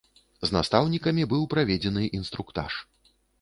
З настаўнікамі быў праведзены інструктаж.